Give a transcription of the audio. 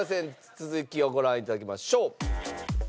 続きをご覧頂きましょう。